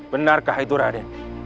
benarkah itu raden